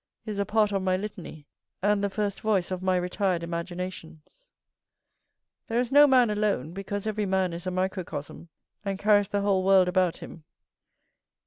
is a part of my litany, and the first voice of my retired imaginations. There is no man alone, because every man is a microcosm, and carries the whole world about him.